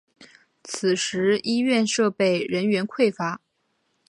此时医院设备人员匮乏。